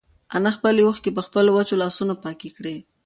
انا خپلې اوښکې په خپلو وچو لاسونو پاکې کړې.